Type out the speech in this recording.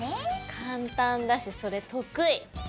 簡単だしそれ得意！